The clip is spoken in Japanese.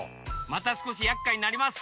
またすこしやっかいになります。